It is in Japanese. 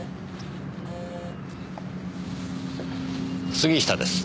杉下です。